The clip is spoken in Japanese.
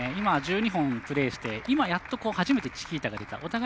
１２本プレーして今やっと、初めてチキータが出た。